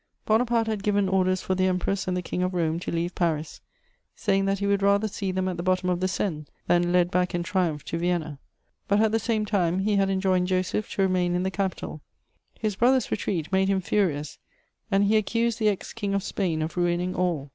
Bonaparte had given orders for the Empress and the King of Rome to leave Paris, saying that he would rather see them at the bottom of the Seine than led back in triumph to Vienna; but, at the same time, he had enjoined Joseph to remain in the capital. His brother's retreat made him furious, and he accused the ex King of Spain of ruining all.